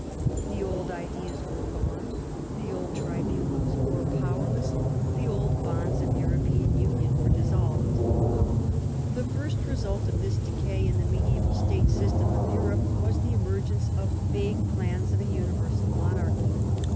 The old ideas were gone, the old tribunals were powerless, the old bonds of European union were dissolved. The first result of this decay in the mediaeval state system of Europe was the emergence of vague plans of a universal monarchy.